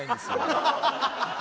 ハハハハ！